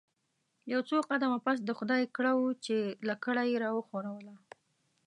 یو څو قدمه پس د خدای کړه وو چې لکړه یې راوښوروله.